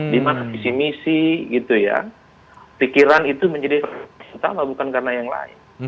di mana misi misi pikiran itu menjadi pertama bukan karena yang lain